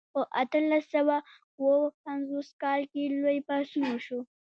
په اتلس سوه او اووه پنځوسم کال کې لوی پاڅون وشو.